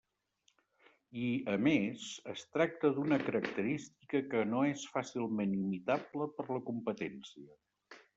I, a més, es tracta d'una característica que no és fàcilment imitable per la competència.